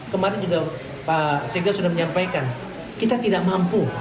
kemarin juga pak segel sudah menyampaikan kita tidak mampu